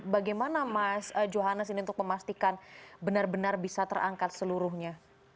bagaimana mas johan yang sini untuk memastikan benar benar bisa terangkat seluruhnya